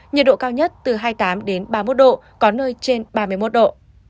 nhiệt độ cao nhất từ hai mươi tám ba mươi một độ có nơi trên ba mươi một độ